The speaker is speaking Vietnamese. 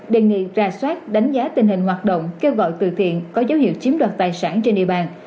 đề nghị ra soát đánh giá tình hình hoạt động kêu gọi từ thiện có dấu hiệu chiếm đoạt tài sản trên địa bàn